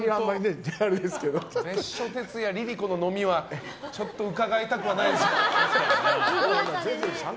別所哲也ＬｉＬｉＣｏの飲みはちょっと伺いたくはないですね。